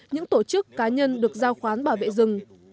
những tổ chức cá nhân được giao khoán bảo vệ rừng